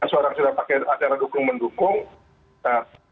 jadi seorang sudah pakai acara dukung dukung